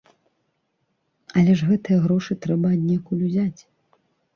Але ж гэтыя грошы трэба аднекуль узяць!